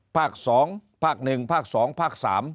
ภาค๒ภาค๑ภาค๒ภาค๓